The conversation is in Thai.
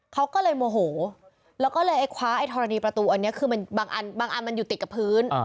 เขาก็เลยโมโหแล้วก็เลยไอ้คว้าไอ้ธรณีประตูอันนี้คือมันบางอันบางอันมันอยู่ติดกับพื้น